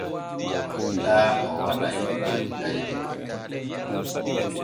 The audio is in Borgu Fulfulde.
O yiɗaa o waɗa cuɓol jaykol.